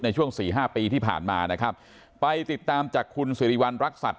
ในช่วงสี่ห้าปีที่ผ่านมานะครับไปติดตามจากคุณสิริวัณรักษัตริย